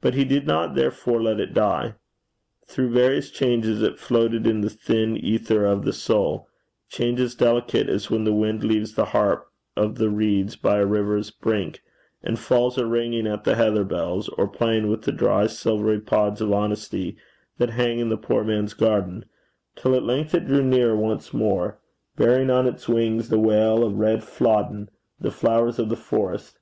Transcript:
But he did not therefore let it die. Through various changes it floated in the thin æther of the soul, changes delicate as when the wind leaves the harp of the reeds by a river's brink, and falls a ringing at the heather bells, or playing with the dry silvery pods of honesty that hang in the poor man's garden, till at length it drew nearer once more, bearing on its wings the wail of red Flodden, the Flowers of the Forest.